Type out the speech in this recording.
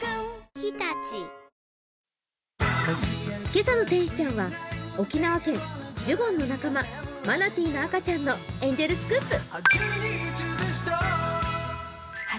今朝の天使ちゃんは沖縄県、ジュゴンの仲間、マナティーの赤ちゃんのエンジェルスクープ。